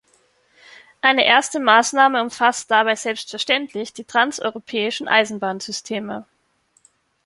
Eine erste Maßnahme umfasst dabei selbstverständlich die transeuropäischen Eisenbahnsysteme.